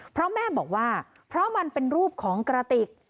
เพราะแม่บอกว่าเพราะมันเป็นรูปของกระติก